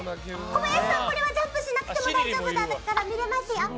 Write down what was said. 小林さんこれはジャンプしなくても大丈夫だから見れますよ。